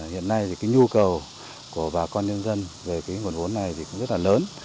hiện nay nhu cầu của bà con nhân dân về nguồn vốn này rất lớn